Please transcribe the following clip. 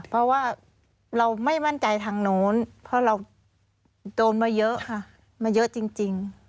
เพราะว่าเราไม่มั่นใจทางโน้นเพราะเราโดนมาเยอะค่ะมาเยอะจริง